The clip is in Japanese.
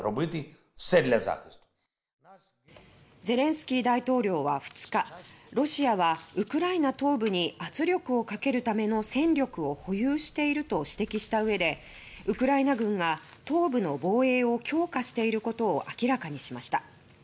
ゼレンスキー大統領は２日ロシアはウクライナ東部に圧力をかけるための戦力を保有していると指摘した上でウクライナ軍が東部の防衛を強化していることを明らかにしました。